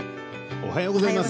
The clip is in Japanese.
おはようございます。